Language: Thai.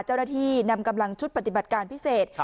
เจ้าหน้าที่นำกำลังชุดปฏิบัติการพิเศษ